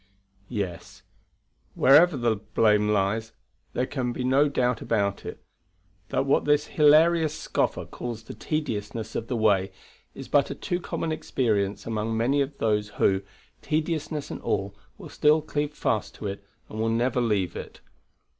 Yes, wherever the blame lies, there can be no doubt about it, that what this hilarious scoffer calls the tediousness of the way is but a too common experience among many of those who, tediousness and all, will still cleave fast to it and will never leave it.